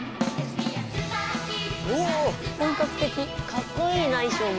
かっこいいな衣装も。